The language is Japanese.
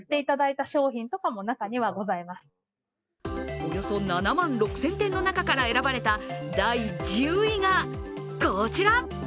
およそ７万６０００点の中から選ばれた第１０位がこちら。